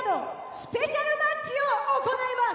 スペシャルマッチを行います。